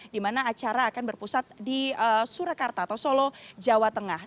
di mana acara akan berpusat di surakarta atau solo jawa tengah